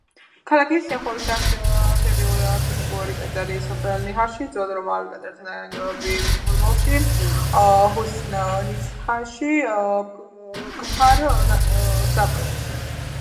ქალაქის სიახლოვესაა სირიულ-ფინიკური ტაძარი სოფელ ნიჰაში, ძველ რომაულ ტაძართა ნანგრევები ფურზოლში, ჰუსნ-ნიჰაში, კფარ-ზაბადში.